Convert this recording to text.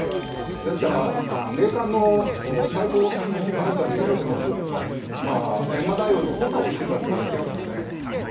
ですから冥界の最高裁判官といわれている閻魔大王の補佐をしてたといわれているんですね。